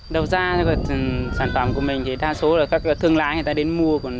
đầu ra sản phẩm của mình thì đa số là các thương lái người ta đến mua